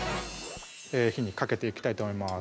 火にかけていきたいと思います